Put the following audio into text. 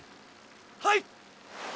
はい！